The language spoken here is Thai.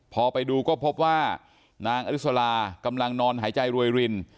พอไปดูก็พบว่านางอลิสลากำลังนอนหายใจรวยริน